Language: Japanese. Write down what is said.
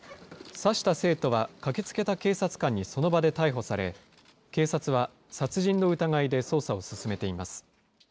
刺した生徒は駆けつけた警察官にその場で逮捕され、警察は、殺人の疑いで捜査を進めています。